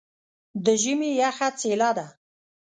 د ژمي یخه څیله ده.